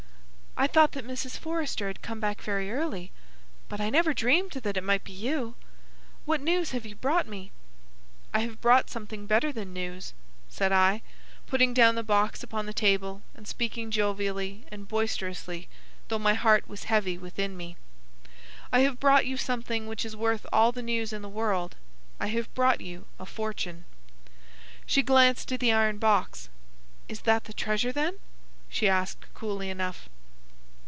"I thought that Mrs. Forrester had come back very early, but I never dreamed that it might be you. What news have you brought me?" "I have brought something better than news," said I, putting down the box upon the table and speaking jovially and boisterously, though my heart was heavy within me. "I have brought you something which is worth all the news in the world. I have brought you a fortune." She glanced at the iron box. "Is that the treasure, then?" she asked, coolly enough.